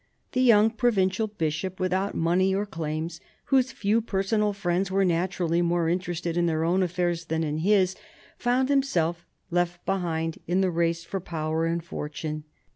The young provincial Bishop, without money or claims, whose few personal friends were naturally more interested in their own affairs than in his, found himself left behind in the race for power and fortune.